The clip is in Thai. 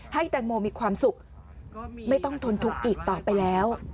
แตงโมมีความสุขไม่ต้องทนทุกข์อีกต่อไปแล้ว